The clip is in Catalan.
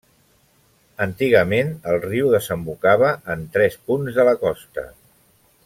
Antigament el riu desembocava en tres punts de la costa.